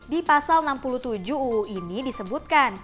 di pasal enam puluh tujuh uu ini disebutkan